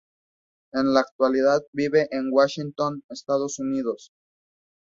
En la actualidad vive en Washington, Estados Unidos.